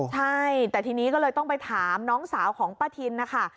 ใช่แต่ทีนี้ก็เลยต้องไปถามน้องสาวของป้าทินนะคะ